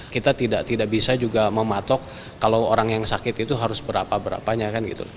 kita tidak bisa juga mematok kalau orang yang sakit itu harus berapa berapanya kan gitu